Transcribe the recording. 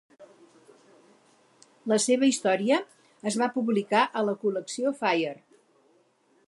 La seva història es va publicar a la col·lecció "Fire".